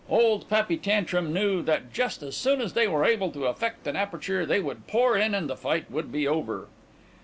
Old Pappy Tantrum knew that just as soon as they were able to effect an aperture they would pour in and the fight would be over.